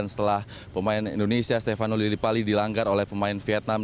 setelah pemain indonesia stefano lillipali dilanggar oleh pemain vietnam